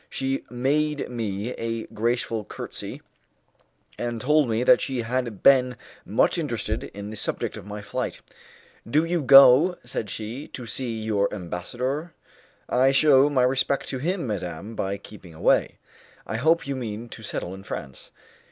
She made me a graceful curtsy, and told me that she had been much interested in the subject of my flight. "Do you go," said she, "to see your ambassador?" "I shew my respect to him, madam, by keeping away." "I hope you mean to settle in France."